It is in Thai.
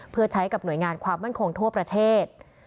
เพื่อใช้กับหน่วยงานความมั่นคงทั่วประเทศ